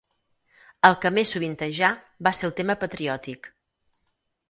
El que més sovintejà va ser el tema patriòtic.